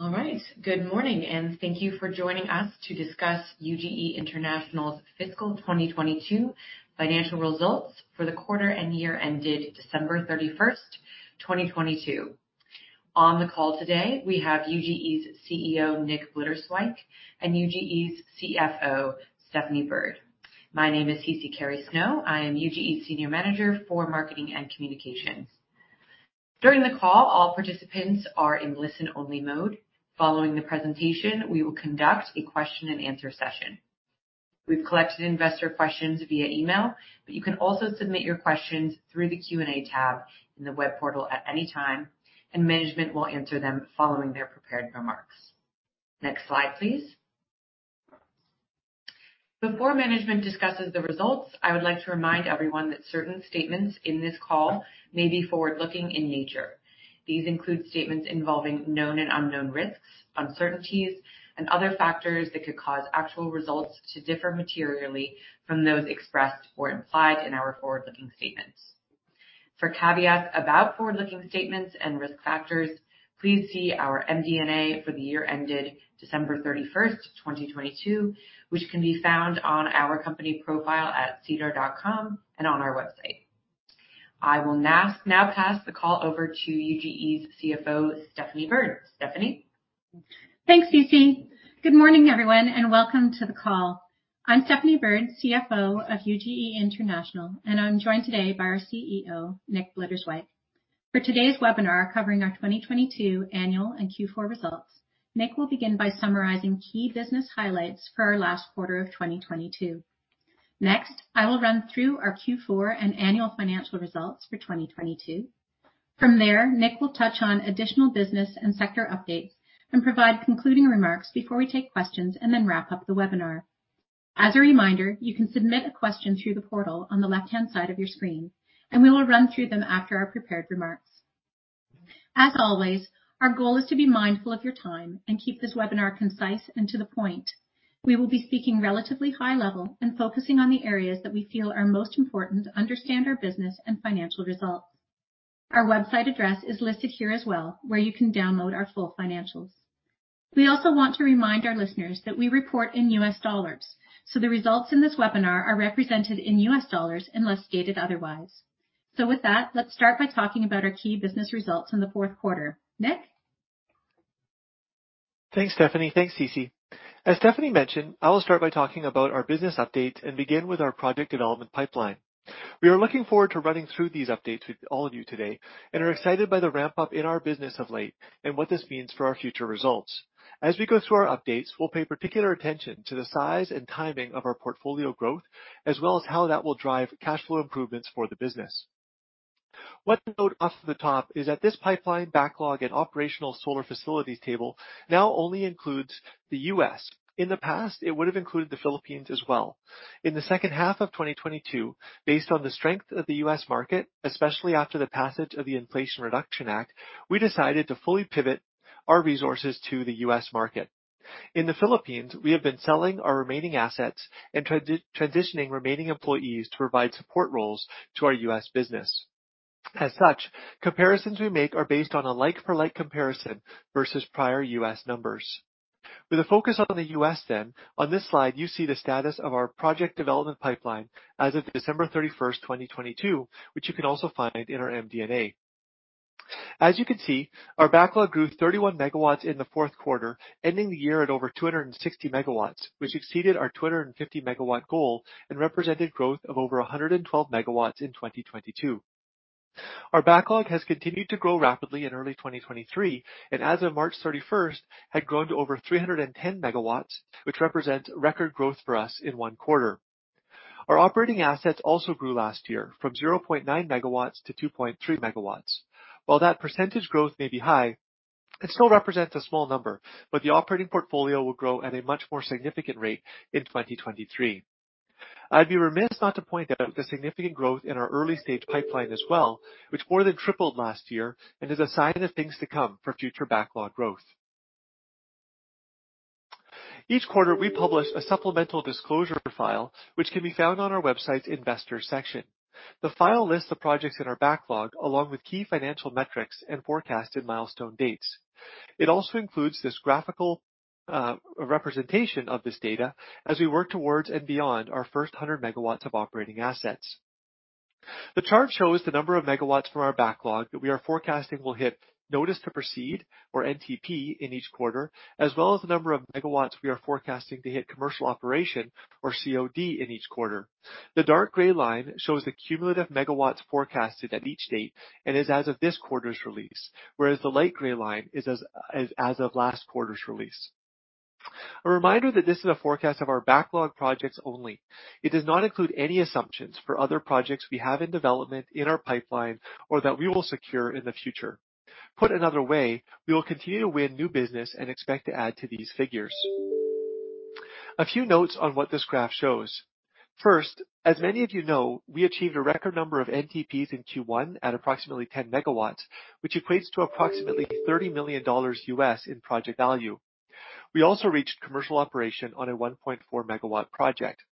All right. Good morning, and thank you for joining us to discuss UGE International's fiscal 2022 financial results for the quarter and year ended December 31, 2022. On the call today, we have UGE's CEO, Nick Blitterswyk, and UGE's CFO, Stephanie Bird. My name is C.C. Carey-Snow. I am UGE's Senior Manager for Marketing and Communications. During the call, all participants are in listen-only mode. Following the presentation, we will conduct a question and answer session. We've collected investor questions via email. You can also submit your questions through the Q&A tab in the web portal at any time. Management will answer them following their prepared remarks. Next slide, please. Before management discusses the results, I would like to remind everyone that certain statements in this call may be forward-looking in nature. These include statements involving known and unknown risks, uncertainties, and other factors that could cause actual results to differ materially from those expressed or implied in our forward-looking statements. For caveats about forward-looking statements and risk factors, please see our MD&A for the year ended December 31st, 2022, which can be found on our company profile at SEDAR.com and on our website. I will now pass the call over to UGE's CFO, Stephanie Bird. Stephanie? Thanks, C.C. Good morning, everyone, welcome to the call. I'm Stephanie Bird, CFO of UGE International, and I'm joined today by our CEO, Nick Blitterswyk. For today's webinar covering our 2022 annual and Q4 results, Nick will begin by summarizing key business highlights for our last quarter of 2022. I will run through our Q4 and annual financial results for 2022. Nick will touch on additional business and sector updates and provide concluding remarks before we take questions then wrap up the webinar. As a reminder, you can submit a question through the portal on the left-hand side of your screen, and we will run through them after our prepared remarks. As always, our goal is to be mindful of your time and keep this webinar concise and to the point. We will be speaking relatively high level and focusing on the areas that we feel are most important to understand our business and financial results. Our website address is listed here as well, where you can download our full financials. We also want to remind our listeners that we report in U.S. dollars, so the results in this webinar are represented in U.S. dollars unless stated otherwise. With that, let's start by talking about our key business results in the fourth quarter. Nick? Thanks, Stephanie. Thanks, C.C. As Stephanie mentioned, I will start by talking about our business update and begin with our project development pipeline. We are looking forward to running through these updates with all of you today and are excited by the ramp-up in our business of late and what this means for our future results. As we go through our updates, we'll pay particular attention to the size and timing of our portfolio growth, as well as how that will drive cash flow improvements for the business. One note off to the top is that this pipeline backlog and operational solar facilities table now only includes the U.S. In the past, it would have included the Philippines as well. In the second half of 2022, based on the strength of the U.S. market, especially after the passage of the Inflation Reduction Act, we decided to fully pivot our resources to the U.S. market. In the Philippines, we have been selling our remaining assets and transitioning remaining employees to provide support roles to our U.S. business. Comparisons we make are based on a like for like comparison versus prior U.S. numbers. With a focus on the U.S., on this slide you see the status of our project development pipeline as of December 31st, 2022, which you can also find in our MD&A. As you can see, our backlog grew 31 MW in the fourth quarter, ending the year at over 260 MW, which exceeded our 250 MW goal and represented growth of over 112 MW in 2022. Our backlog has continued to grow rapidly in early 2023. As of March 31st, had grown to over 310 MW, which represents record growth for us in 1 quarter. Our operating assets also grew last year from 0.9 MW to 2.3 MW. That percentage growth may be high, it still represents a small number. The operating portfolio will grow at a much more significant rate in 2023. I'd be remiss not to point out the significant growth in our early-stage pipeline as well, which more than tripled last year and is a sign of things to come for future backlog growth. Each quarter, we publish a supplemental disclosure file, which can be found on our website's investor section. The file lists the projects in our backlog along with key financial metrics and forecasted milestone dates. It also includes this graphical representation of this data as we work towards and beyond our first 100 MW of operating assets. The chart shows the number of MW from our backlog that we are forecasting will hit Notice to Proceed or NTP in each quarter, as well as the number of MW we are forecasting to hit Commercial Operation or COD in each quarter. The dark gray line shows the cumulative MW forecasted at each date and is as of this quarter's release, whereas the light gray line is as of last quarter's release. A reminder that this is a forecast of our backlog projects only. It does not include any assumptions for other projects we have in development in our pipeline or that we will secure in the future. Put another way, we will continue to win new business and expect to add to these figures. A few notes on what this graph shows. First, as many of you know, we achieved a record number of NTPs in Q1 at approximately 10 MW, which equates to approximately $30 million in project value. We also reached Commercial Operation on a 1.4 MW project.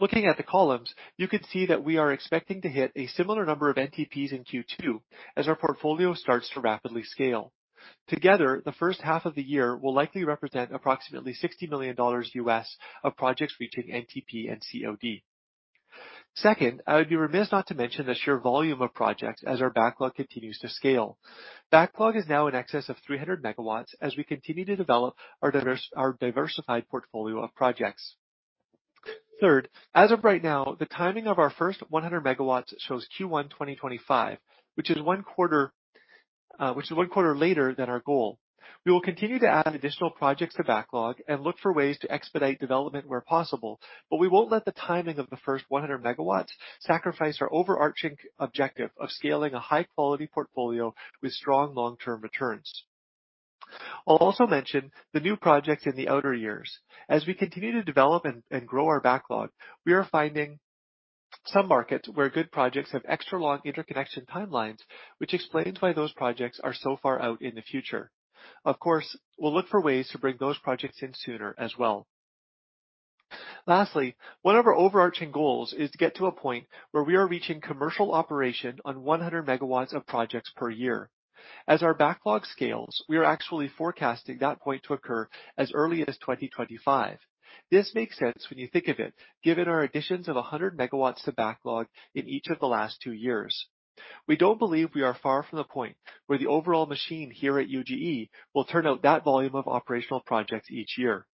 Looking at the columns, you can see that we are expecting to hit a similar number of NTPs in Q2 as our portfolio starts to rapidly scale. Together, the first half of the year will likely represent approximately $60 million of projects reaching NTP and COD. Second, I would be remiss not to mention the sheer volume of projects as our backlog continues to scale. Backlog is now in excess of 300 MW as we continue to develop our diversified portfolio of projects. Third, as of right now, the timing of our first 100 MW shows Q1 2025, which is one quarter, which is one quarter later than our goal. We will continue to add additional projects to backlog and look for ways to expedite development where possible, we won't let the timing of the first 100 MW sacrifice our overarching objective of scaling a high quality portfolio with strong long-term returns. I'll also mention the new projects in the outer years. As we continue to develop and grow our backlog, we are finding some markets where good projects have extra long interconnection timelines, which explains why those projects are so far out in the future. Of course, we'll look for ways to bring those projects in sooner as well. Lastly, one of our overarching goals is to get to a point where we are reaching Commercial Operation on 100MW of projects per year. As our backlog scales, we are actually forecasting that point to occur as early as 2025. This makes sense when you think of it, given our additions of 100 MW to backlog in each of the last 2 years. We don't believe we are far from the point where the overall machine here at UGE will turn out that volume of operational projects each year.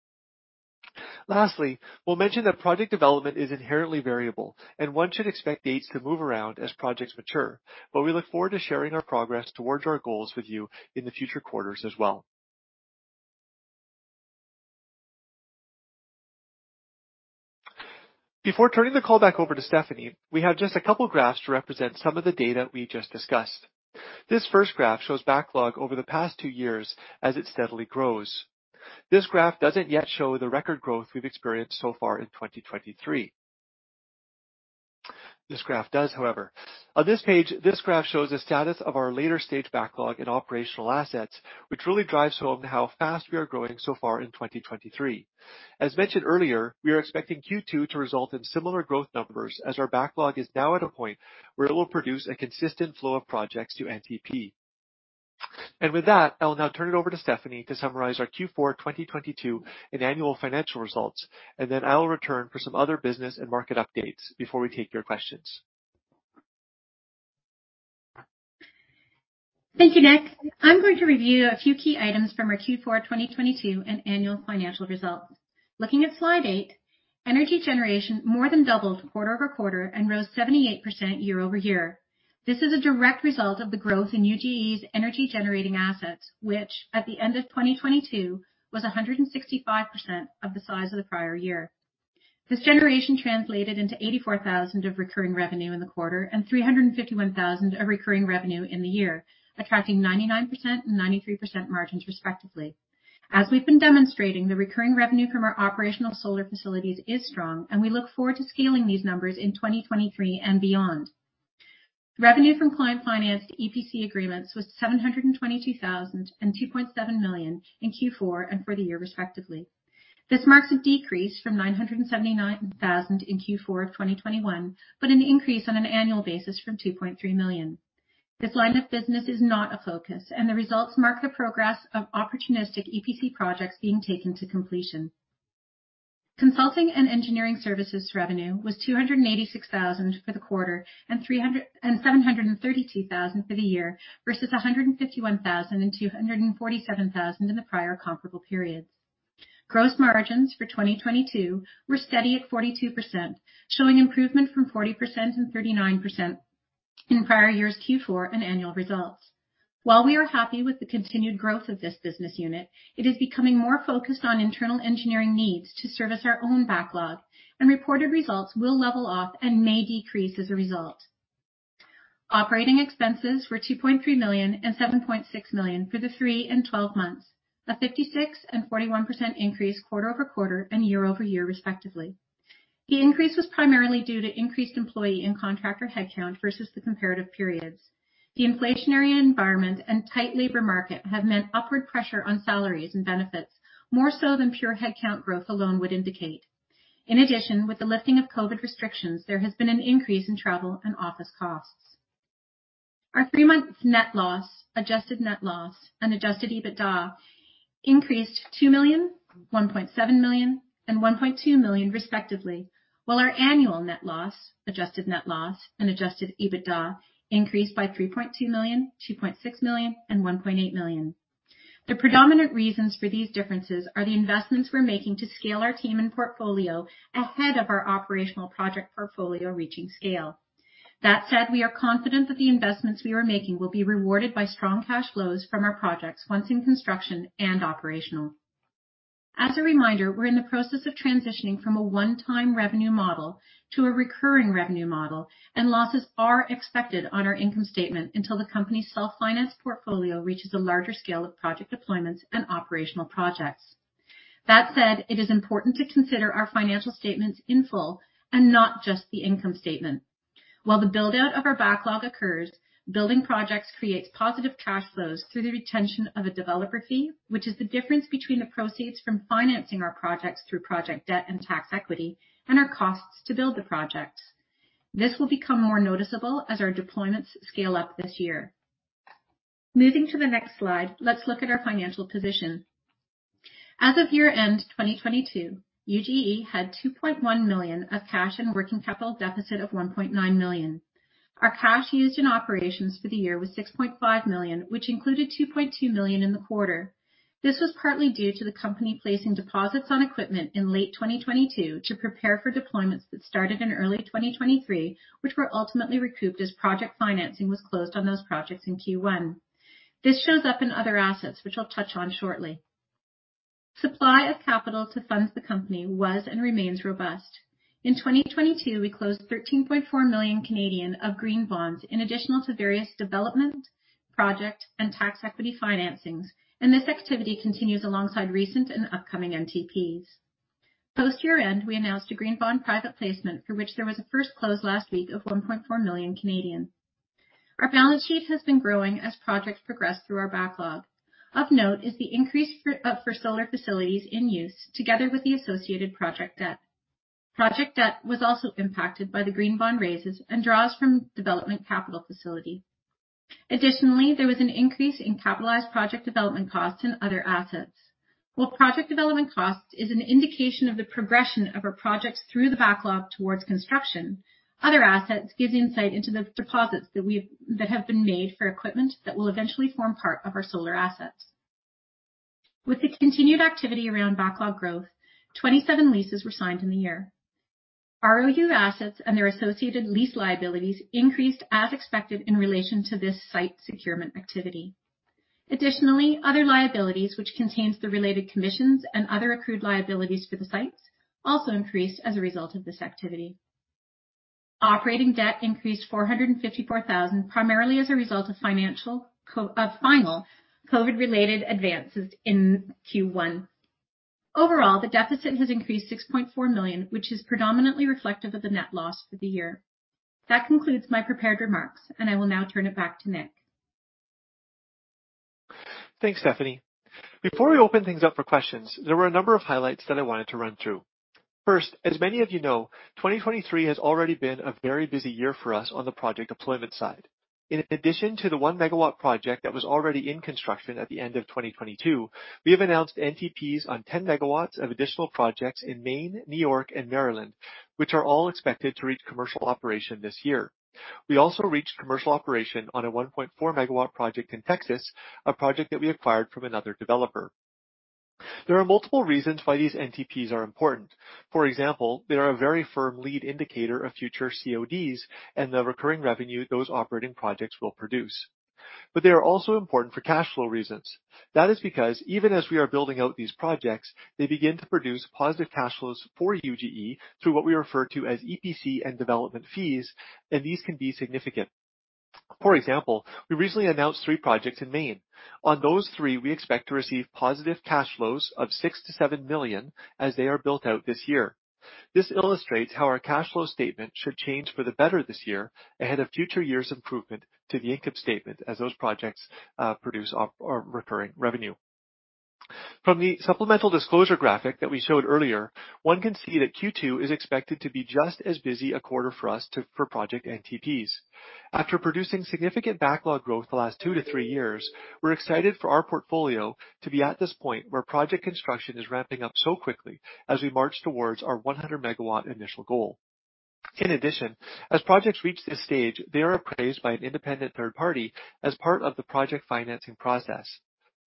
Lastly, we'll mention that project development is inherently variable, and one should expect dates to move around as projects mature, but we look forward to sharing our progress towards our goals with you in the future quarters as well. Before turning the call back over to Stephanie, we have just a couple graphs to represent some of the data we just discussed. This first graph shows backlog over the past 2 years as it steadily grows. This graph doesn't yet show the record growth we've experienced so far in 2023. This graph does, however. On this page, this graph shows the status of our later stage backlog in operational assets, which really drives home how fast we are growing so far in 2023. As mentioned earlier, we are expecting Q2 to result in similar growth numbers as our backlog is now at a point where it will produce a consistent flow of projects to NTP. With that, I'll now turn it over to Stephanie to summarize our Q4 2022 and annual financial results, then I will return for some other business and market updates before we take your questions. Thank you, Nick. I'm going to review a few key items from our Q4 2022 and annual financial results. Looking at slide 8, energy generation more than doubled quarter-over-quarter and rose 78% year-over-year. This is a direct result of the growth in UGE's energy generating assets, which at the end of 2022, was 165% of the size of the prior year. This generation translated into $84,000 of recurring revenue in the quarter and $351,000 of recurring revenue in the year, attracting 99% and 93% margins respectively. As we've been demonstrating, the recurring revenue from our operational solar facilities is strong, we look forward to scaling these numbers in 2023 and beyond. Revenue from client-financed EPC agreements was $722,000 and $2.7 million in Q4 and for the year respectively. This marks a decrease from $979,000 in Q4 of 2021, but an increase on an annual basis from $2.3 million. This line of business is not a focus. The results mark the progress of opportunistic EPC projects being taken to completion. Consulting and engineering services revenue was $286,000 for the quarter and $732,000 for the year versus $151,000 and $247,000 in the prior comparable periods. Gross margins for 2022 were steady at 42%, showing improvement from 40% and 39% in prior years Q4 and annual results. While we are happy with the continued growth of this business unit, it is becoming more focused on internal engineering needs to service our own backlog, and reported results will level off and may decrease as a result. Operating expenses were $2.3 million and $7.6 million for the three and 12 months, a 56% and 41% increase quarter-over-quarter and year-over-year respectively. The increase was primarily due to increased employee and contractor headcount versus the comparative periods. The inflationary environment and tight labor market have meant upward pressure on salaries and benefits, more so than pure headcount growth alone would indicate. In addition, with the lifting of COVID restrictions, there has been an increase in travel and office costs. Our three-month net loss, adjusted net loss, and adjusted EBITDA increased $2 million, $1.7 million, and $1.2 million respectively, while our annual net loss, adjusted net loss, and adjusted EBITDA increased by $3.2 million, $2.6 million, and $1.8 million. The predominant reasons for these differences are the investments we're making to scale our team and portfolio ahead of our operational project portfolio reaching scale. That said, we are confident that the investments we are making will be rewarded by strong cash flows from our projects once in construction and operational. As a reminder, we're in the process of transitioning from a one-time revenue model to a recurring revenue model, and losses are expected on our income statement until the company's self-financed portfolio reaches a larger scale of project deployments and operational projects. That said, it is important to consider our financial statements in full and not just the income statement. While the build-out of our backlog occurs, building projects creates positive cash flows through the retention of a developer fee, which is the difference between the proceeds from financing our projects through project debt and tax equity and our costs to build the projects. This will become more noticeable as our deployments scale up this year. Moving to the next slide, let's look at our financial position. As of year-end 2022, UGE had $2.1 million of cash and working capital deficit of $1.9 million. Our cash used in operations for the year was $6.5 million, which included $2.2 million in the quarter. This was partly due to the company placing deposits on equipment in late 2022 to prepare for deployments that started in early 2023, which were ultimately recouped as project financing was closed on those projects in Q1. This shows up in other assets, which I'll touch on shortly. Supply of capital to fund the company was and remains robust. In 2022, we closed 13.4 million of green bonds in additional to various development, project, and tax equity financings. This activity continues alongside recent and upcoming NTPs. Post year-end, we announced a green bond private placement for which there was a first close last week of 1.4 million. Our balance sheet has been growing as projects progress through our backlog. Of note is the increase for solar facilities in use together with the associated project debt. Project debt was also impacted by the green bond raises and draws from development capital facility. There was an increase in capitalized project development costs and other assets. While project development cost is an indication of the progression of our projects through the backlog towards construction, other assets gives insight into the deposits that have been made for equipment that will eventually form part of our solar assets. With the continued activity around backlog growth, 27 leases were signed in the year. ROU assets and their associated lease liabilities increased as expected in relation to this site securement activity. Other liabilities, which contains the related commissions and other accrued liabilities for the sites, also increased as a result of this activity. Operating debt increased $454,000, primarily as a result of final COVID-related advances in Q1. Overall, the deficit has increased $6.4 million, which is predominantly reflective of the net loss for the year. That concludes my prepared remarks. I will now turn it back to Nick. Thanks, Stephanie. Before we open things up for questions, there were a number of highlights that I wanted to run through. First, as many of you know, 2023 has already been a very busy year for us on the project deployment side. In addition to the 1-MW project that was already in construction at the end of 2022, we have announced NTPs on 10 MW of additional projects in Maine, New York, and Maryland, which are all expected to reach Commercial Operation this year. We also reached Commercial Operation on a 1.4-MW project in Texas, a project that we acquired from another developer. There are multiple reasons why these NTPs are important. For example, they are a very firm lead indicator of future CODs and the recurring revenue those operating projects will produce. They are also important for cash flow reasons. That is because even as we are building out these projects, they begin to produce positive cash flows for UGE through what we refer to as EPC and development fees, and these can be significant. For example, we recently announced three projects in Maine. On those three, we expect to receive positive cash flows of $6 million-$7 million as they are built out this year. This illustrates how our cash flow statement should change for the better this year ahead of future years' improvement to the income statement as those projects produce recurring revenue. From the supplemental disclosure graphic that we showed earlier, one can see that Q2 is expected to be just as busy a quarter for us for project NTPs. After producing significant backlog growth the last 2-3 years, we're excited for our portfolio to be at this point where project construction is ramping up so quickly as we march towards our 100 MW initial goal. In addition, as projects reach this stage, they are appraised by an independent third party as part of the project financing process.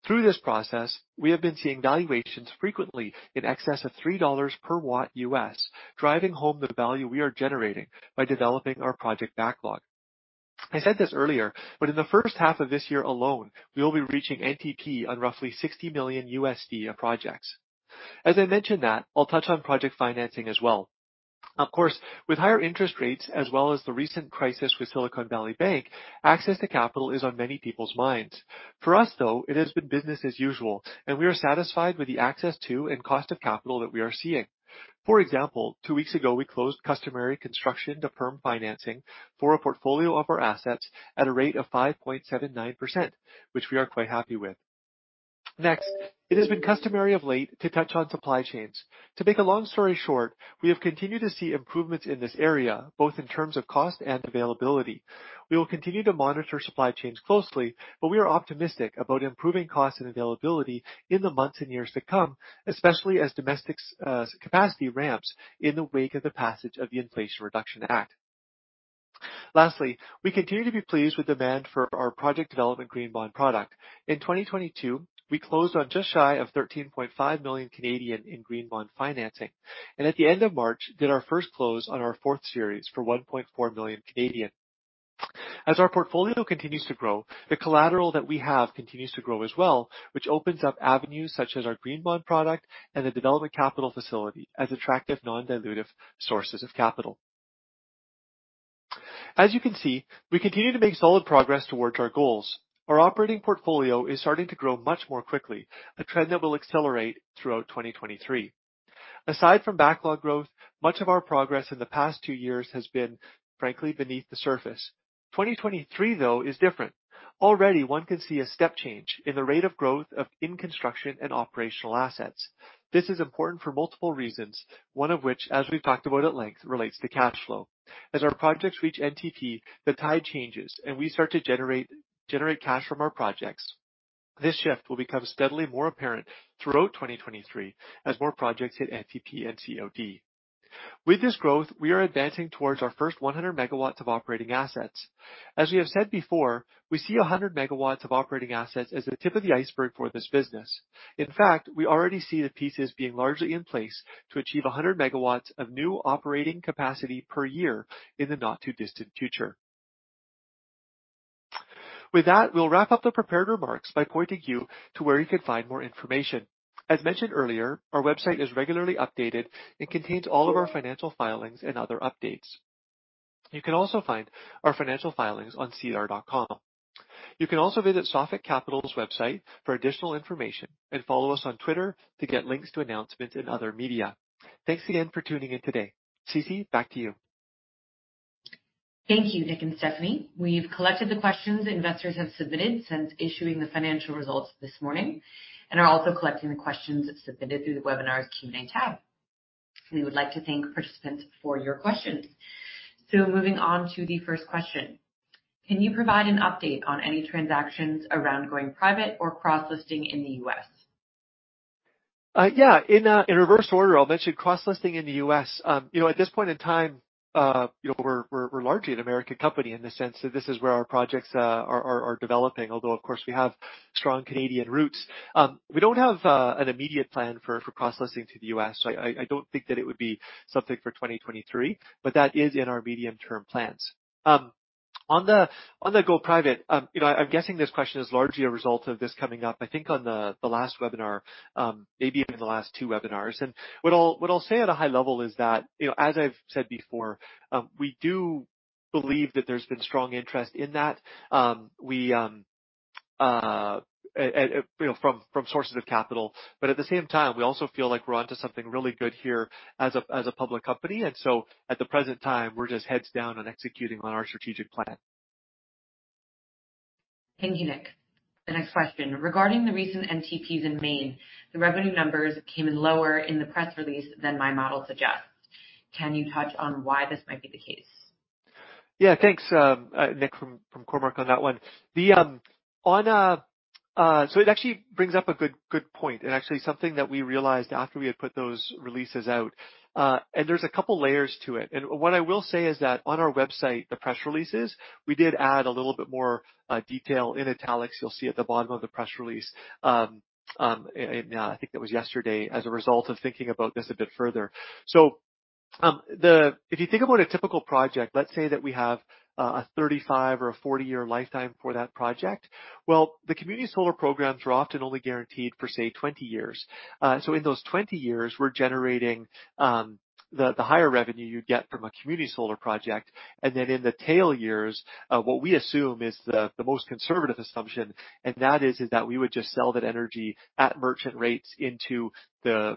Through this process, we have been seeing valuations frequently in excess of $3 per watt US, driving home the value we are generating by developing our project backlog. I said this earlier, but in the first half of this year alone, we will be reaching NTP on roughly $60 million of projects. As I mention that, I'll touch on project financing as well. Of course, with higher interest rates as well as the recent crisis with Silicon Valley Bank, access to capital is on many people's minds. For us, though, it has been business as usual, and we are satisfied with the access to and cost of capital that we are seeing. For example, two weeks ago, we closed customary construction to firm financing for a portfolio of our assets at a rate of 5.79%, which we are quite happy with. Next, it has been customary of late to touch on supply chains. To make a long story short, we have continued to see improvements in this area, both in terms of cost and availability. We will continue to monitor supply chains closely, but we are optimistic about improving costs and availability in the months and years to come, especially as domestic capacity ramps in the wake of the passage of the Inflation Reduction Act. Lastly, we continue to be pleased with demand for our project development green bond product. In 2022, we closed on just shy of 13.5 million in green bond financing, and at the end of March, did our first close on our fourth series for 1.4 million. As our portfolio continues to grow, the collateral that we have continues to grow as well, which opens up avenues such as our green bond product and the development capital facility as attractive non-dilutive sources of capital. As you can see, we continue to make solid progress towards our goals. Our operating portfolio is starting to grow much more quickly, a trend that will accelerate throughout 2023. Aside from backlog growth, much of our progress in the past two years has been, frankly, beneath the surface. 2023, though, is different. Already, one can see a step change in the rate of growth of in-construction and operational assets. This is important for multiple reasons, one of which, as we've talked about at length, relates to cash flow. As our projects reach NTP, the tide changes, and we start to generate cash from our projects. This shift will become steadily more apparent throughout 2023 as more projects hit NTP and COD. With this growth, we are advancing towards our first 100 MW of operating assets. As we have said before, we see 100 MW of operating assets as the tip of the iceberg for this business. In fact, we already see the pieces being largely in place to achieve 100 M of new operating capacity per year in the not-too-distant future. With that, we'll wrap up the prepared remarks by pointing you to where you can find more information. As mentioned earlier, our website is regularly updated and contains all of our financial filings and other updates. You can also find our financial filings on sedar.com. You can also visit Sophic Capital's website for additional information and follow us on Twitter to get links to announcements in other media. Thanks again for tuning in today. Cece, back to you. Thank you, Nick and Stephanie. We've collected the questions investors have submitted since issuing the financial results this morning and are also collecting the questions submitted through the webinar's Q&A tab. We would like to thank participants for your questions. Moving on to the first question. Can you provide an update on any transactions around going private or cross-listing in the U.S.? Yeah, in reverse order, I'll mention cross-listing in the U.S. You know, at this point in time, you know, we're largely an American company in the sense that this is where our projects are developing, although, of course, we have strong Canadian roots. We don't have an immediate plan for cross-listing to the U.S. I don't think that it would be something for 2023, but that is in our medium-term plans. On the go private, you know, I'm guessing this question is largely a result of this coming up, I think on the last webinar, maybe even the last two webinars. What I'll say at a high level is that, you know, as I've said before, we do believe that there's been strong interest in that, we, you know, from sources of capital. At the same time, we also feel like we're onto something really good here as a public company. At the present time, we're just heads down on executing on our strategic plan. Thank you, Nick. The next question. Regarding the recent NTPs in Maine, the revenue numbers came in lower in the press release than my model suggests. Can you touch on why this might be the case? Yeah, thanks, Nick from Cormark on that one. It actually brings up a good point and actually something that we realized after we had put those releases out. There's a couple layers to it. What I will say is that on our website, the press releases, we did add a little bit more detail in italics. You'll see at the bottom of the press release, and I think that was yesterday as a result of thinking about this a bit further. If you think about a typical project, let's say that we have a 35 or a 40-year lifetime for that project. The community solar programs are often only guaranteed for, say, 20 years. In those 20 years, we're generating the higher revenue you'd get from a community solar project. Then in the tail years, what we assume is the most conservative assumption, and that is that we would just sell that energy at merchant rates into the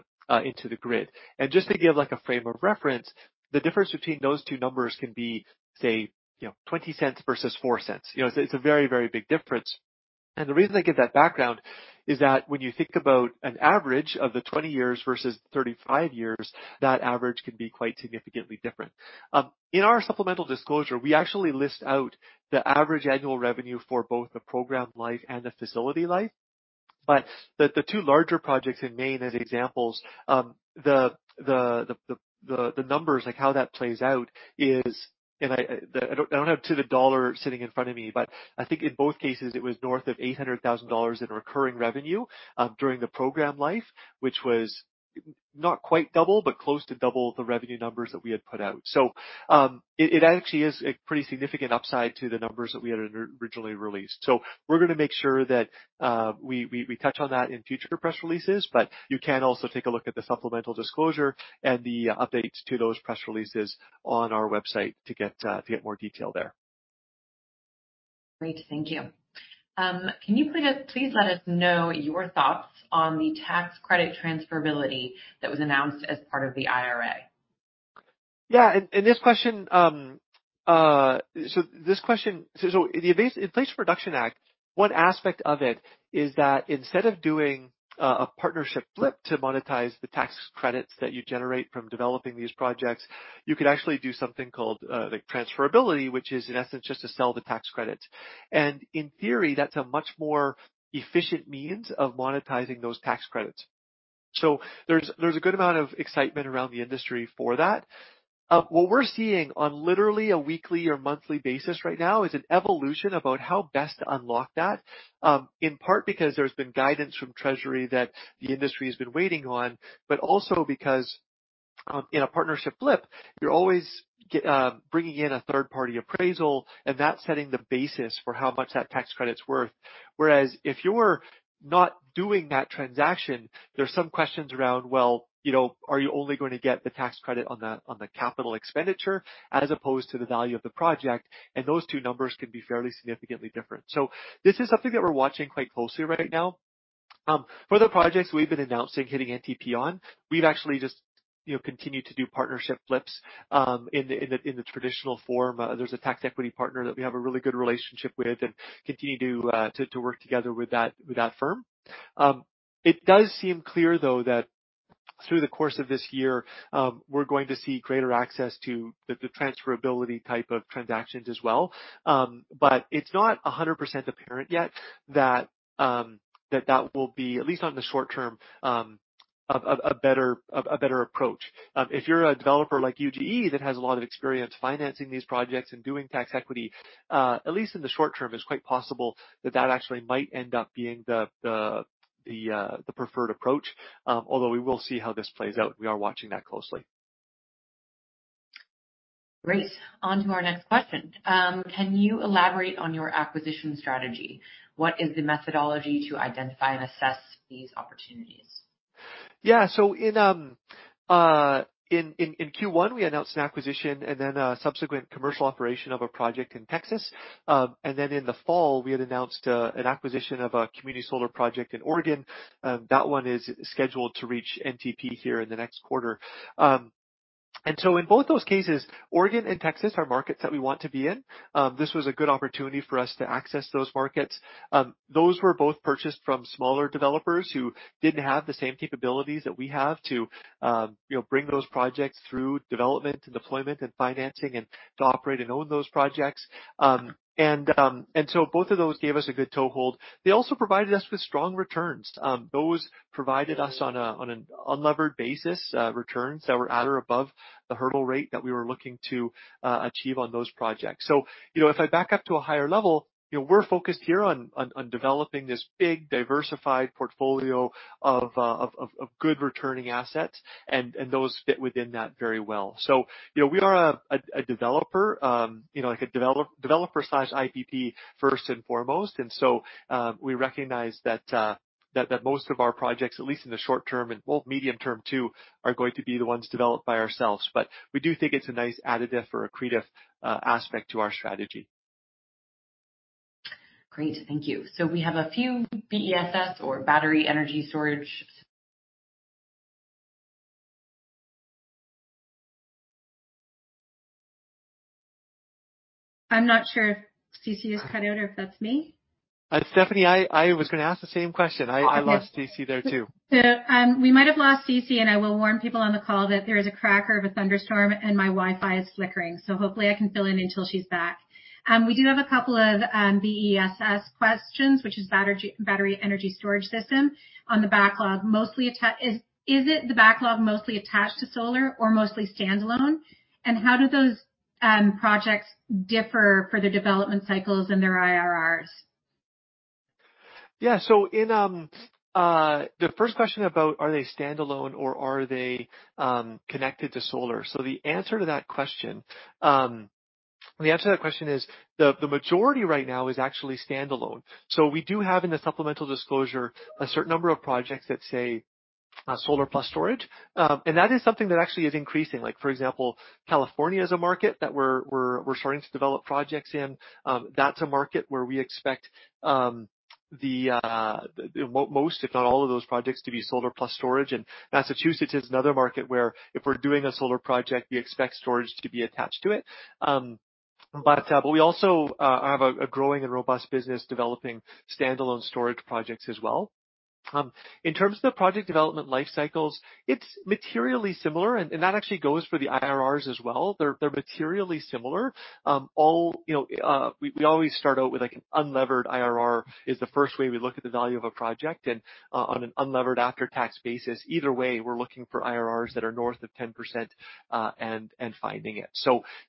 grid. Just to give, like, a frame of reference, the difference between those two numbers can be, say, you know, $0.20 versus $0.04. You know, it's a very, very big difference. The reason I give that background is that when you think about an average of the 20 years versus 35 years, that average can be quite significantly different. In our supplemental disclosure, we actually list out the average annual revenue for both the program life and the facility life. The two larger projects in Maine as examples, the numbers, like how that plays out is... I don't have to the dollar sitting in front of me, but I think in both cases, it was north of $800,000 in recurring revenue during the program life, which was not quite double, but close to double the revenue numbers that we had put out. It actually is a pretty significant upside to the numbers that we had originally released. We're gonna make sure that we touch on that in future press releases, but you can also take a look at the supplemental disclosure and the updates to those press releases on our website to get more detail there. Great. Thank you. Can you please let us know your thoughts on the tax credit transferability that was announced as part of the IRA? Yeah. This question. The Inflation Reduction Act, one aspect of it is that instead of doing a partnership flip to monetize the tax credits that you generate from developing these projects, you could actually do something called like transferability, which is in essence, just to sell the tax credits. In theory, that's a much more efficient means of monetizing those tax credits. There's a good amount of excitement around the industry for that. What we're seeing on literally a weekly or monthly basis right now is an evolution about how best to unlock that, in part because there's been guidance from Treasury that the industry has been waiting on, but also because, in a partnership flip, you're always bringing in a third-party appraisal, and that's setting the basis for how much that tax credit's worth. Whereas if you're not doing that transaction, there's some questions around, well, you know, are you only going to get the tax credit on the, on the capital expenditure as opposed to the value of the project? Those two numbers can be fairly significantly different. This is something that we're watching quite closely right now. For the projects we've been announcing hitting NTP on, we've actually just, you know, continued to do partnership flips in the traditional form. There's a tax equity partner that we have a really good relationship with and continue to work together with that firm. It does seem clear, though, that through the course of this year, we're going to see greater access to the transferability type of transactions as well. But it's not 100% apparent yet that that will be, at least on the short term, a better approach. If you're a developer like UGE that has a lot of experience financing these projects and doing tax equity, at least in the short term, it's quite possible that that actually might end up being the preferred approach. We will see how this plays out, we are watching that closely. Great. On to our next question. Can you elaborate on your acquisition strategy? What is the methodology to identify and assess these opportunities? Yeah. In Q1, we announced an acquisition and then a subsequent Commercial Operation of a project in Texas. In the fall, we had announced an acquisition of a community solar project in Oregon. That one is scheduled to reach NTP here in the next quarter. In both those cases, Oregon and Texas are markets that we want to be in. This was a good opportunity for us to access those markets. Those were both purchased from smaller developers who didn't have the same capabilities that we have to, you know, bring those projects through development and deployment and financing and to operate and own those projects. Both of those gave us a good toehold. They also provided us with strong returns. Those provided us on an unlevered basis, returns that were at or above the hurdle rate that we were looking to achieve on those projects. If I back up to a higher level, you know, we're focused here on developing this big diversified portfolio of good returning assets and those fit within that very well. We are a developer, like a developer size IPP first and foremost. We recognize that most of our projects, at least in the short term and, well, medium term too, are going to be the ones developed by ourselves. We do think it's a nice additive or accretive aspect to our strategy. Great. Thank you. We have a few BESS or battery energy storage. I'm not sure if C.C. is cut out or if that's me. Stephanie, I was gonna ask the same question. I lost CC there too. We might have lost C.C., and I will warn people on the call that there is a cracker of a thunderstorm, and my Wi-Fi is flickering. Hopefully I can fill in until she's back. We do have a couple of BESS questions, which is battery energy storage system on the backlog. Is it the backlog mostly attached to solar or mostly standalone? How do those projects differ for the development cycles and their IRRs? Yeah. In the first question about are they standalone or are they connected to solar? The answer to that question is the majority right now is actually standalone. We do have in the supplemental disclosure a certain number of projects that say solar plus storage. That is something that actually is increasing. Like, for example, California is a market that we're starting to develop projects in. That's a market where we expect the most, if not all of those projects, to be solar plus storage. Massachusetts is another market where if we're doing a solar project, we expect storage to be attached to it. We also have a growing and robust business developing standalone storage projects as well. In terms of the project development life cycles, it's materially similar, and that actually goes for the IRRs as well. They're materially similar. All, you know, we always start out with like an unlevered IRR is the first way we look at the value of a project and on an unlevered after-tax basis. Either way, we're looking for IRRs that are north of 10% and finding it.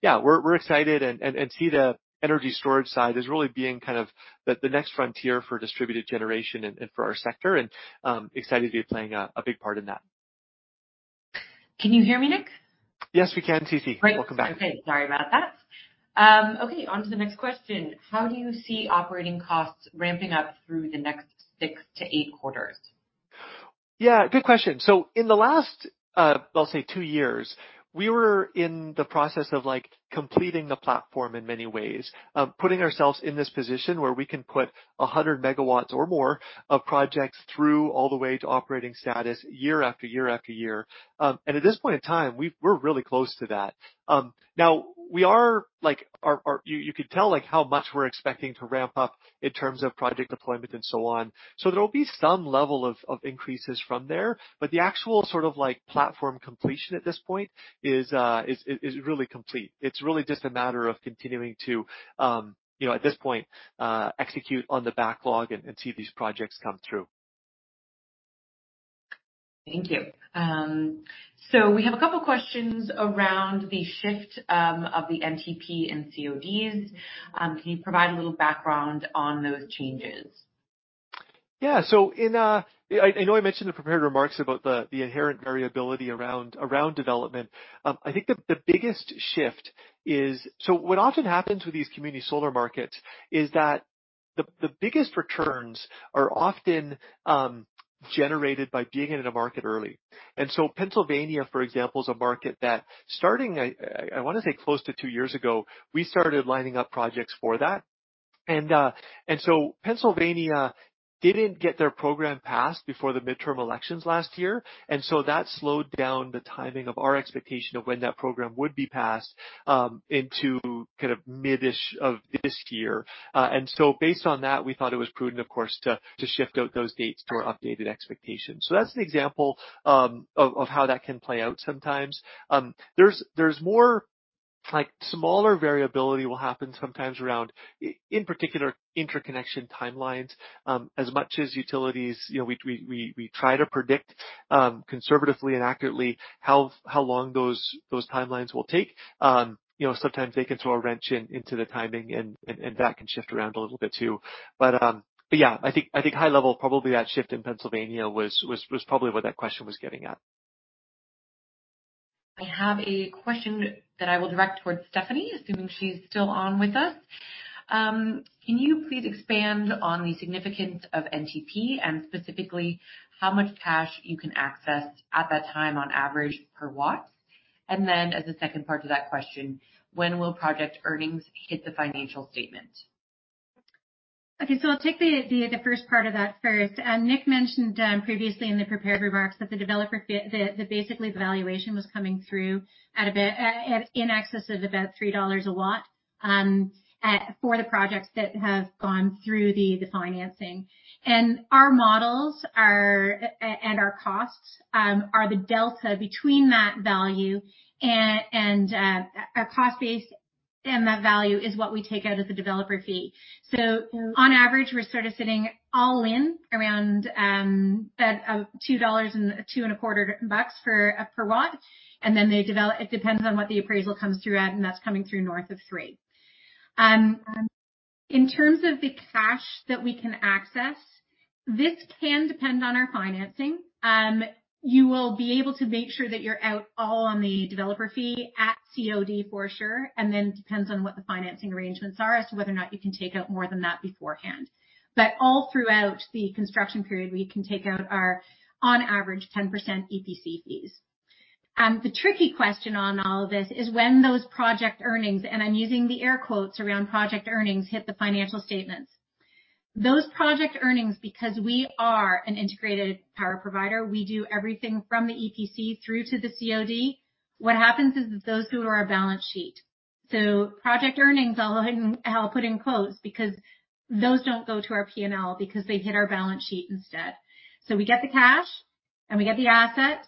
Yeah, we're excited and see the energy storage side as really being kind of the next frontier for distributed generation and for our sector and excited to be playing a big part in that. Can you hear me, Nick? Yes, we can, C.C. Great. Welcome back. Sorry about that. On to the next question. How do you see operating costs ramping up through the next six to eight quarters? Yeah, good question. In the last, I'll say two years, we were in the process of, like, completing the platform in many ways, putting ourselves in this position where we can put 100 MW or more of projects through all the way to operating status year after year after year. At this point in time, we're really close to that. Now we are like You could tell like how much we're expecting to ramp up in terms of project deployment and so on. There'll be some level of increases from there, but the actual sort of like platform completion at this point is really complete. It's really just a matter of continuing to, you know, at this point, execute on the backlog and see these projects come through. Thank you. We have a couple questions around the shift of the NTP and CODs. Can you provide a little background on those changes? In, I know I mentioned the prepared remarks about the inherent variability around development. I think the biggest shift is what often happens with these community solar markets is that the biggest returns are often generated by being in a market early. Pennsylvania, for example, is a market that starting, I wanna say close to 2 years ago, we started lining up projects for that. Pennsylvania didn't get their program passed before the midterm elections last year. That slowed down the timing of our expectation of when that program would be passed into kind of mid-ish of this year. Based on that, we thought it was prudent, of course, to shift out those dates to our updated expectations. That's an example of how that can play out sometimes. There's more like smaller variability will happen sometimes around in particular interconnection timelines. As much as utilities, you know, we try to predict conservatively and accurately how long those timelines will take. You know, sometimes they can throw a wrench into the timing and that can shift around a little bit too. Yeah, I think high level, probably that shift in Pennsylvania was probably what that question was getting at. I have a question that I will direct towards Stephanie, assuming she's still on with us. Can you please expand on the significance of NTP and specifically how much cash you can access at that time on average per watt? As a second part to that question, when will project earnings hit the financial statement? Okay, I'll take the first part of that first. Nick mentioned previously in the prepared remarks that the developer fee. That basically the valuation was coming through at about in excess of about $3 a watt for the projects that have gone through the financing. Our models and our costs are the delta between that value and our cost base, and that value is what we take out as a developer fee. On average, we're sort of sitting all in around at $2 and two and a quarter bucks for per watt. It depends on what the appraisal comes through at, and that's coming through north of 3. In terms of the cash that we can access, this can depend on our financing. You will be able to make sure that you're out all on the developer fee at COD for sure. Then depends on what the financing arrangements are as to whether or not you can take out more than that beforehand. All throughout the construction period, we can take out our on average 10% EPC fees. The tricky question on all of this is when those project earnings, I'm using the air quotes around project earnings, hit the financial statements. Those project earnings, because we are an integrated power provider, we do everything from the EPC through to the COD. What happens is that those go to our balance sheet. Project earnings, I'll put in quotes because those don't go to our P&L because they hit our balance sheet instead. We get the cash, and we get the assets,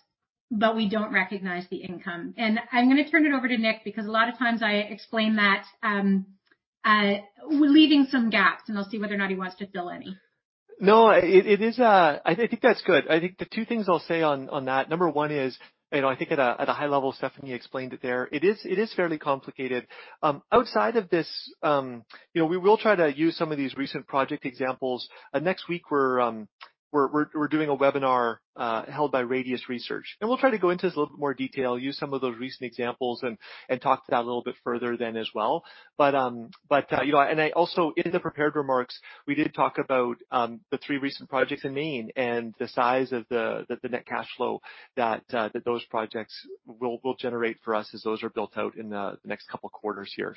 but we don't recognize the income. I'm gonna turn it over to Nick because a lot of times I explain that, leaving some gaps, and I'll see whether or not he wants to fill any. No, it is. I think that's good. I think the two things I'll say on that, number one is, you know, I think at a, at a high level, Stephanie explained it there. It is, it is fairly complicated. Outside of this, you know, we will try to use some of these recent project examples. Next week, we're doing a webinar, held by Radius Research, we'll try to go into this a little bit more detail, use some of those recent examples and talk to that a little bit further then as well. You know, and I also in the prepared remarks, we did talk about the three recent projects in Maine and the size of the net cash flow that those projects will generate for us as those are built out in the next couple of quarters here.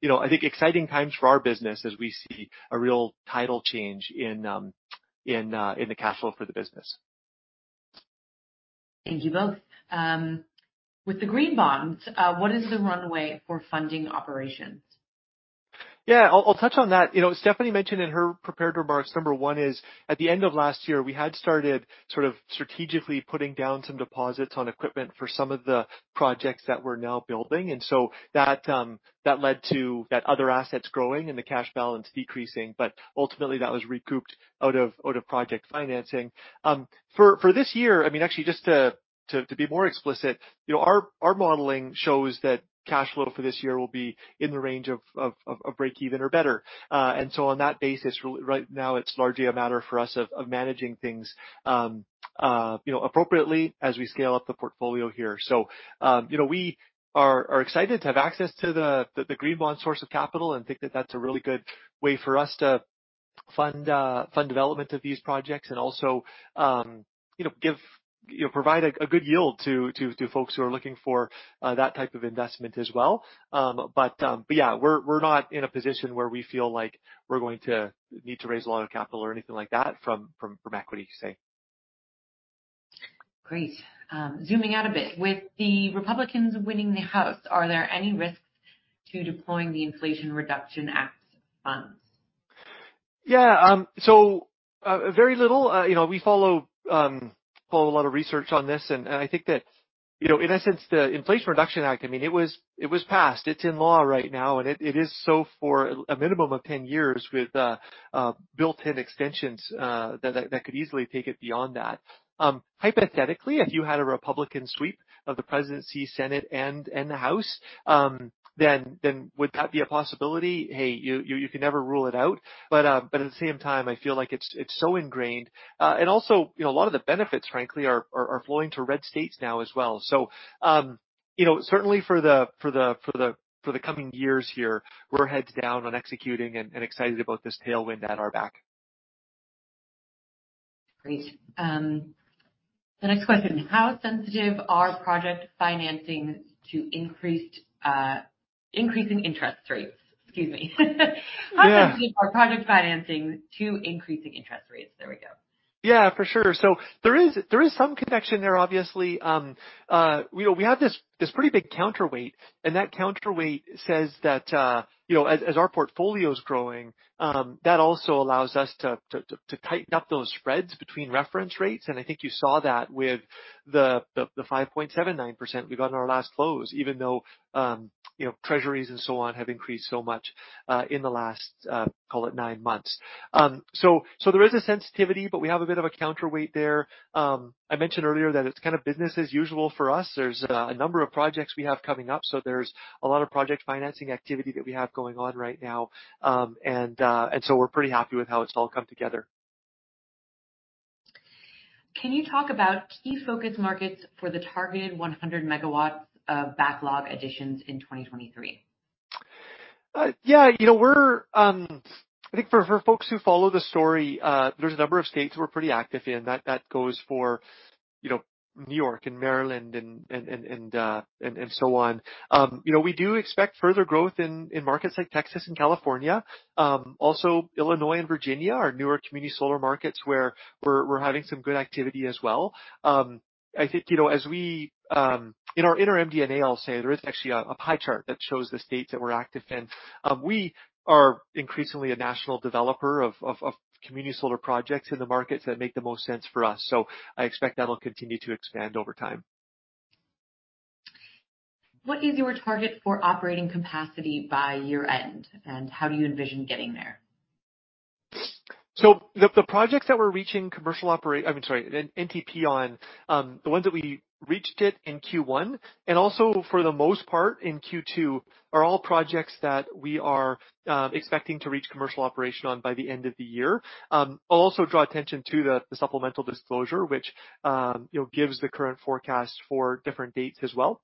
You know, I think exciting times for our business as we see a real tidal change in the cash flow for the business. Thank you both. With the green bonds, what is the runway for funding operations? Yeah. I'll touch on that. You know, Stephanie mentioned in her prepared remarks, number one is, at the end of last year, we had started sort of strategically putting down some deposits on equipment for some of the projects that we're now building. That led to that other assets growing and the cash balance decreasing, but ultimately that was recouped out of project financing. For this year, I mean, actually just to be more explicit, you know, our modeling shows that cash flow for this year will be in the range of breakeven or better. On that basis, right now, it's largely a matter for us of managing things, you know, appropriately as we scale up the portfolio here. You know, we are excited to have access to the green bond source of capital and think that that's a really good way for us to fund development of these projects and also, you know, provide a good yield to folks who are looking for that type of investment as well. But yeah, we're not in a position where we feel like we're going to need to raise a lot of capital or anything like that from equity, say. Great. Zooming out a bit. With the Republicans winning the House, are there any risks to deploying the Inflation Reduction Act funds? Yeah. Very little. You know, we follow a lot of research on this, and I think that, you know, in a sense, the Inflation Reduction Act, I mean, it was passed. It's in law right now, and it is so for a minimum of 10 years with built-in extensions that could easily take it beyond that. Hypothetically, if you had a Republican sweep of the presidency, Senate and the House, would that be a possibility? Hey, you can never rule it out. At the same time, I feel like it's so ingrained. You know, a lot of the benefits, frankly, are flowing to red states now as well. You know, certainly for the coming years here, we're heads down on executing and excited about this tailwind at our back. Great. The next question, how sensitive are project financings to increasing interest rates? Excuse me. Yeah. How sensitive are project financings to increasing interest rates? There we go. ere is some connection there, obviously. You know, we have this pretty big counterweight, and that counterweight says that, you know, as our portfolio is growing, that also allows us to tighten up those spreads between reference rates. I think you saw that with the 5.79% we got in our last close, even though, you know, Treasuries and so on have increased so much in the last, call it 9 months. There is a sensitivity, but we have a bit of a counterweight there. I mentioned earlier that it's kind of business as usual for us. There's a number of projects we have coming up, so there's a lot of project financing activity that we have going on right now. We're pretty happy with how it's all come together. Can you talk about key focus markets for the targeted 100 MW, backlog additions in 2023? Yeah, you know, we're, I think for folks who follow the story, there's a number of states we're pretty active in that goes for, you know, New York and Maryland and so on. You know, we do expect further growth in markets like Texas and California. Also Illinois and Virginia are newer community solar markets where we're having some good activity as well. I think, you know, as we, in our MD&A, I'll say, there is actually a pie chart that shows the states that we're active in. We are increasingly a national developer of community solar projects in the markets that make the most sense for us. I expect that'll continue to expand over time. What is your target for operating capacity by year-end, and how do you envision getting there? The projects that we're reaching Commercial Operation, I mean, sorry, NTP on, the ones that we reached it in Q1 and also for the most part in Q2, are all projects that we are expecting to reach Commercial Operation on by the end of the year. I'll also draw attention to the supplemental disclosure which, you know, gives the current forecast for different dates as well.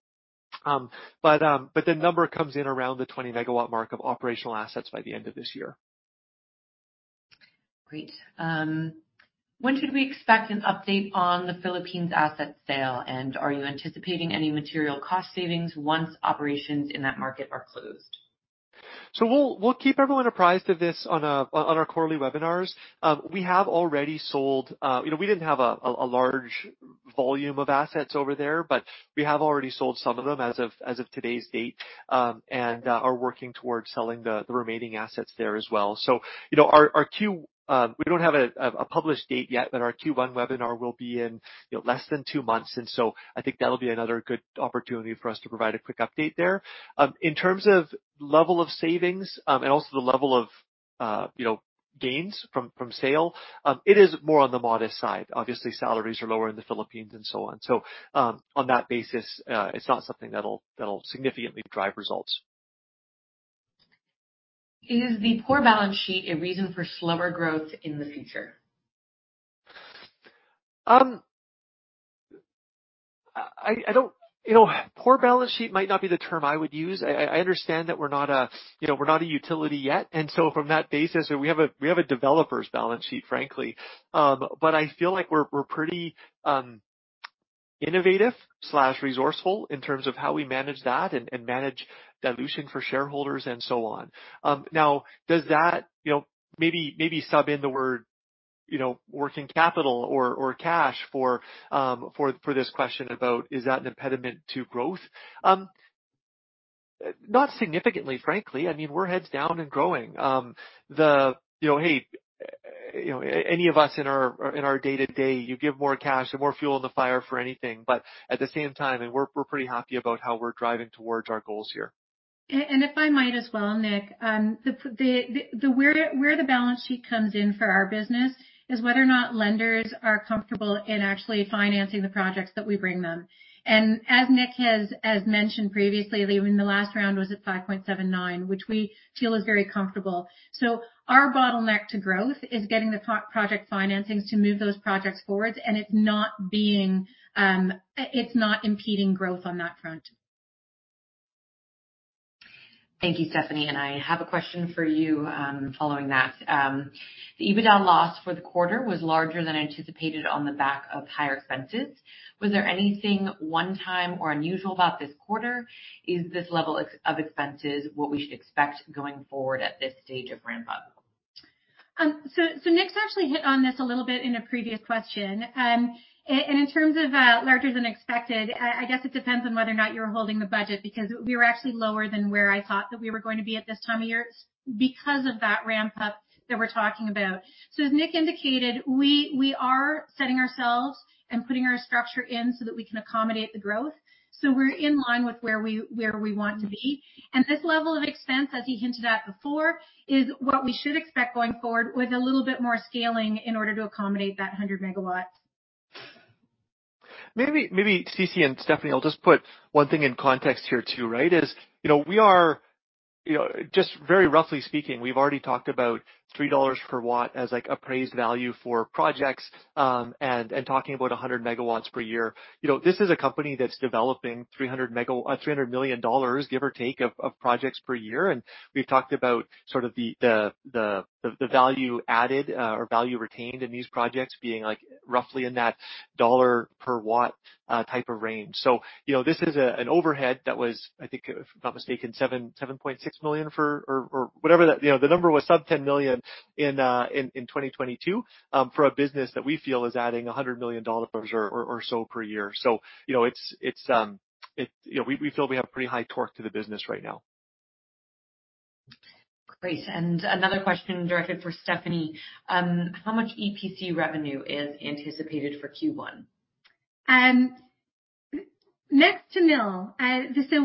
The number comes in around the 20 MW mark of operational assets by the end of this year. Great. When should we expect an update on the Philippines asset sale, and are you anticipating any material cost savings once operations in that market are closed? We'll keep everyone apprised of this on our quarterly webinars. We have already sold, you know, we didn't have a large volume of assets over there, but we have already sold some of them as of today's date, and are working towards selling the remaining assets there as well. You know, We don't have a published date yet, but our Q1 webinar will be in, you know, less than two months. I think that'll be another good opportunity for us to provide a quick update there. In terms of level of savings, and also the level of, you know, gains from sale, it is more on the modest side. Obviously, salaries are lower in the Philippines and so on. On that basis, it's not something that'll significantly drive results. Is the poor balance sheet a reason for slower growth in the future? I don't, you know, poor balance sheet might not be the term I would use. I understand that we're not a, you know, we're not a utility yet. From that basis, we have a developer's balance sheet, frankly. I feel like we're pretty innovative slash resourceful in terms of how we manage that and manage dilution for shareholders and so on. Now does that, you know, maybe sub in the word, you know, working capital or cash for this question about is that an impediment to growth? Not significantly, frankly. I mean, we're heads down and growing. You know, hey, you know, any of us in our day-to-day, you give more cash, the more fuel in the fire for anything. At the same time, and we're pretty happy about how we're driving towards our goals here. If I might as well, Nick, the balance sheet comes in for our business is whether or not lenders are comfortable in actually financing the projects that we bring them. As Nick has mentioned previously, I mean, the last round was at 5.79, which we feel is very comfortable. Our bottleneck to growth is getting the project financings to move those projects forward. It's not impeding growth on that front. Thank you, Stephanie. I have a question for you, following that. The EBITDA loss for the quarter was larger than anticipated on the back of higher expenses. Was there anything one-time or unusual about this quarter? Is this level of expenses what we should expect going forward at this stage of ramp-up? Nick's actually hit on this a little bit in a previous question. In terms of larger than expected, I guess it depends on whether or not you're holding the budget because we were actually lower than where I thought that we were going to be at this time of year because of that ramp-up that we're talking about. As Nick indicated, we are setting ourselves and putting our structure in so that we can accommodate the growth. We're in line with where we want to be. This level of expense, as he hinted at before, is what we should expect going forward with a little bit more scaling in order to accommodate that 100 MW. Maybe, maybe Cece and Stephanie, I'll just put one thing in context here too, right? You know, just very roughly speaking, we've already talked about $3 per watt as like appraised value for projects, and talking about 100 MW per year. You know, this is a company that's developing $300 million, give or take, of projects per year. We've talked about sort of the value added or value retained in these projects being like roughly in that $ per watt type of range. You know, this is an overhead that was, I think, if I'm not mistaken, $7.6 million for... or whatever that... You know, the number was sub $10 million in 2022, for a business that we feel is adding $100 million or so per year. You know, it's, we feel we have pretty high torque to the business right now. Great. Another question directed for Stephanie. How much EPC revenue is anticipated for Q1? Next to nil.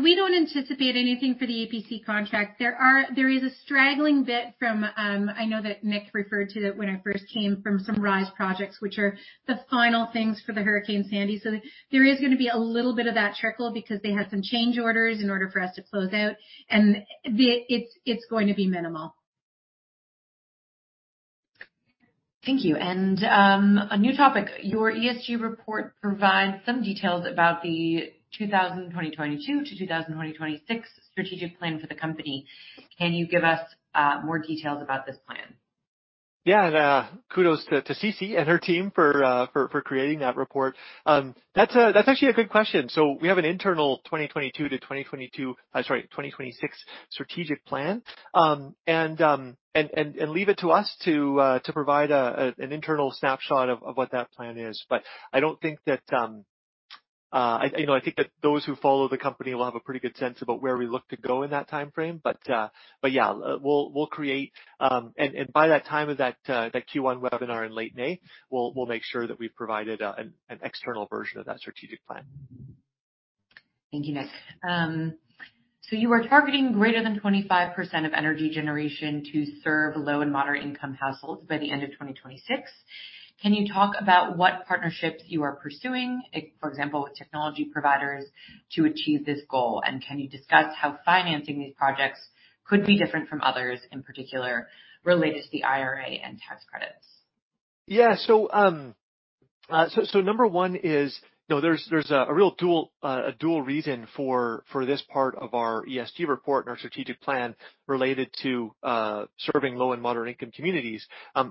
We don't anticipate anything for the EPC contract. There is a straggling bit from, I know that Nick referred to that when I first came from some RISE projects, which are the final things for the Hurricane Sandy. There is gonna be a little bit of that trickle because they had some change orders in order for us to close out, and the... it's going to be minimal. Thank you. A new topic. Your ESG report provides some details about the 2022 to 2026 strategic plan for the company. Can you give us more details about this plan? Yeah. Kudos to Cece and her team for creating that report. That's actually a good question. We have an internal 2026 strategic plan. Leave it to us to provide an internal snapshot of what that plan is. I don't think that, you know, I think that those who follow the company will have a pretty good sense about where we look to go in that timeframe. Yeah, we'll create. By that time of that Q1 webinar in late May, we'll make sure that we've provided an external version of that strategic plan. Thank you, Nick. You are targeting greater than 25% of energy generation to serve low and moderate income households by the end of 2026. Can you talk about what partnerships you are pursuing, for example, with technology providers to achieve this goal? Can you discuss how financing these projects could be different from others, in particular related to the IRA and tax credits? Yeah. Number one is, you know, there's a real dual, a dual reason for this part of our ESG report and our strategic plan related to serving low and moderate income communities.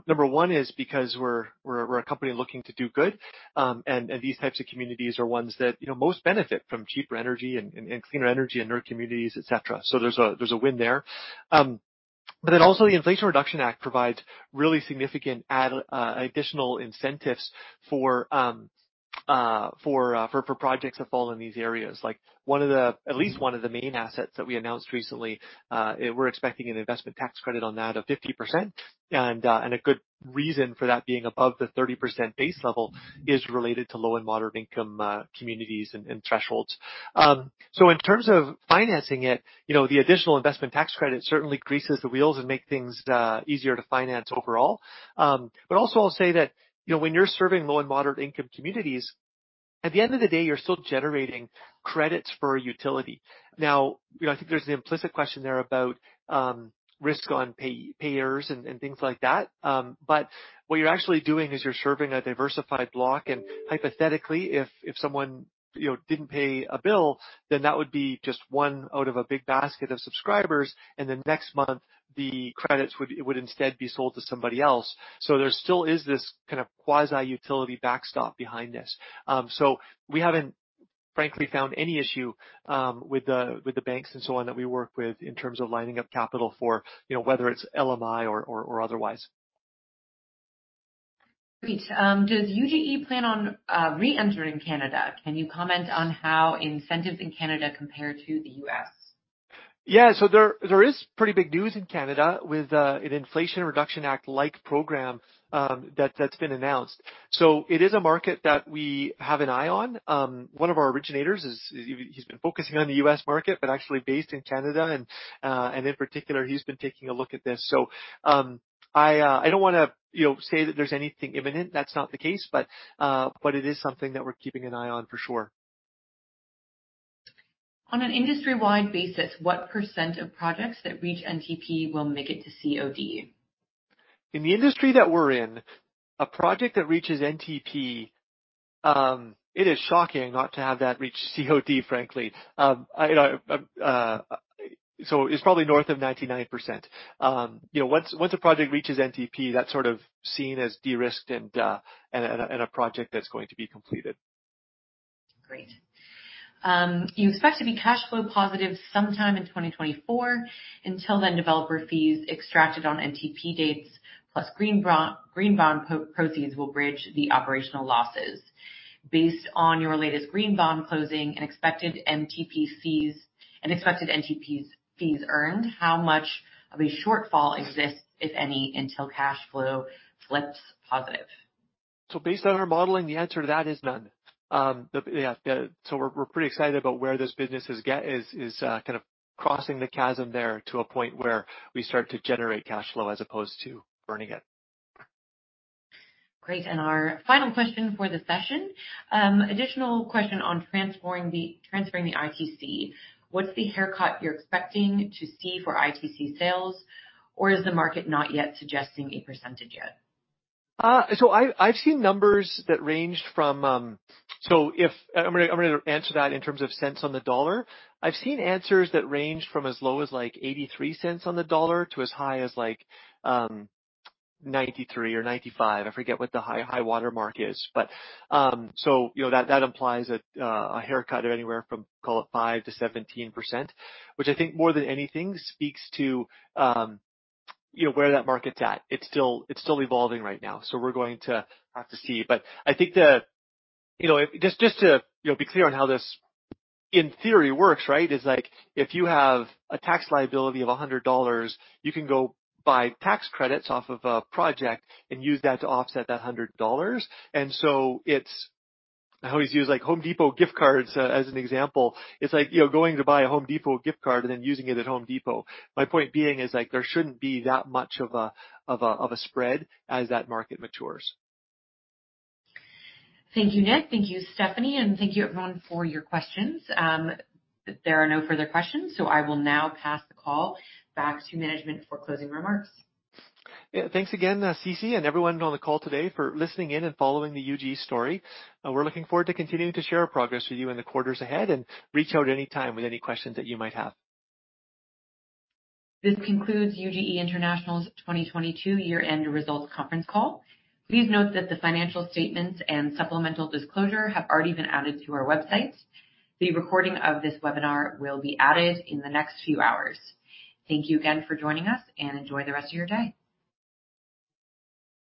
Number one is because we're a company looking to do good, and these types of communities are ones that, you know, most benefit from cheaper energy and cleaner energy in their communities, et cetera. There's a win there. Also the Inflation Reduction Act provides really significant additional incentives for projects that fall in these areas. Like at least one of the main assets that we announced recently, we're expecting an investment tax credit on that of 50%. A good reason for that being above the 30% base level is related to low and moderate income, communities and thresholds. In terms of financing it, you know, the additional investment tax credit certainly greases the wheels and make things easier to finance overall. Also I'll say that, you know, when you're serving low and moderate income communities, at the end of the day, you're still generating credits for a utility. Now, you know, I think there's an implicit question there about risk on payers and things like that. What you're actually doing is you're serving a diversified block. Hypothetically, if someone, you know, didn't pay a bill, then that would be just one out of a big basket of subscribers, and the next month the credits would instead be sold to somebody else. There still is this kind of quasi-utility backstop behind this. We haven't frankly found any issue with the banks and so on that we work with in terms of lining up capital for, you know, whether it's LMI or otherwise. Great. Does UGE plan on re-entering Canada? Can you comment on how incentives in Canada compare to the US? There is pretty big news in Canada with an Inflation Reduction Act-like program that's been announced. It is a market that we have an eye on. One ofour originators he's been focusing on the U.S. market, but actually based in Canada, and in particular, he's been taking a look at this. I don't wanna, you know, say that there's anything imminent. That's not the case, but it is something that we're keeping an eye on for sure. On an industry-wide basis, what % of projects that reach NTP will make it to COD? In the industry that we're in, a project that reaches NTP, it is shocking not to have that reach COD, frankly. I, so it's probably north of 99%. You know, once a project reaches NTP, that's sort of seen as de-risked and a project that's going to be completed. Great. You expect to be cash flow positive sometime in 2024. Until then, developer fees extracted on NTP dates plus green bond proceeds will bridge the operational losses. Based on your latest green bond closing and expected NTP fees earned, how much of a shortfall exists, if any, until cash flow flips positive? Based on our modeling, the answer to that is none. We're pretty excited about where this business is kind of crossing the chasm there to a point where we start to generate cash flow as opposed to burning it. Great. Our final question for the session. Additional question on transferring the ITC. What's the haircut you're expecting to see for ITC sales? Is the market not yet suggesting a percentage yet? I've seen numbers that ranged from. I'm gonna answer that in terms of cents on the dollar. I've seen answers that range from as low as like $0.83 on the dollar to as high as like $0.93 or $0.95. I forget what the high, high watermark is. You know, that implies that a haircut of anywhere from call it 5%-17%, which I think more than anything speaks to, you know, where that market's at. It's still evolving right now, so we're going to have to see. You know, be clear on how this in theory works, right? Is like if you have a tax liability of $100, you can go buy tax credits off of a project and use that to offset that $100. I always use like Home Depot gift cards as an example. It's like, you know, going to buy a Home Depot gift card and then using it at Home Depot. My point being is like there shouldn't be that much of a spread as that market matures. Thank you, Nick. Thank you, Stephanie. Thank you everyone for your questions. There are no further questions. I will now pass the call back to management for closing remarks. Yeah. Thanks again, Cece and everyone on the call today for listening in and following the UGE story. We're looking forward to continuing to share our progress with you in the quarters ahead. Reach out any time with any questions that you might have. This concludes UGE International's 2022 year-end results conference call. Please note that the financial statements and supplemental disclosure have already been added to our website. The recording of this webinar will be added in the next few hours. Thank you again for joining us, and enjoy the rest of your day.